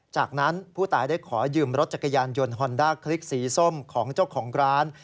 จากนั้นผู้ตายได้ขอยืมรถจักรยานยนต์ฮอนด้าคลิกสีส้มของเจ้าของร้าน